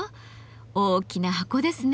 大きな箱ですね。